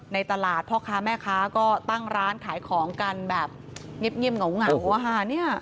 ในตลาดพ่อค้าแม่ค้าก็ตั้งร้านขายของกันแบบเงียบเหงาอะค่ะ